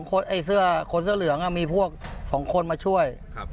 คนเสื้อเหลืองมีพวก๒คนมาช่วย